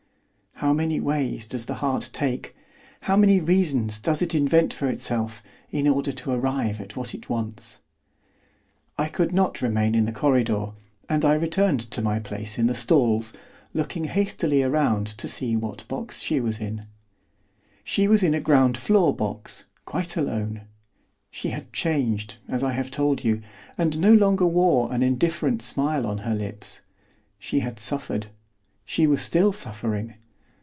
How many ways does the heart take, how many reasons does it invent for itself, in order to arrive at what it wants! I could not remain in the corridor, and I returned to my place in the stalls, looking hastily around to see what box she was in. She was in a ground floor box, quite alone. She had changed, as I have told you, and no longer wore an indifferent smile on her lips. She had suffered; she was still suffering.